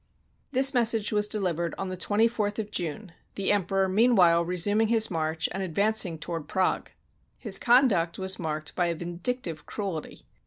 This message was delivered on the 24th of June, the Emperor meanwhile resuming his march, and advancing toward Prague. His conduct was marked by a vindic tive cruelty.